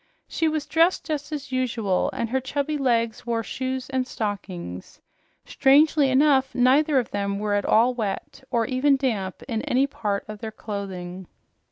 She was dressed just as usual, and her chubby legs wore shoes and stockings. Strangely enough, neither of them were at all wet or even damp in any part of their clothing.